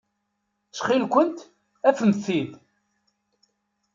Ttxil-kent, afemt-t-id.